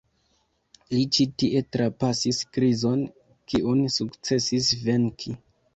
Li ĉi tie trapasis krizon, kiun sukcesis venki.